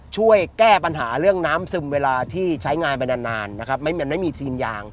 ช่วยแก้ปัญหาเรื่องน้ำซึมเวลาที่ใช้งานไปนานนะครับไม่มีซีนยาง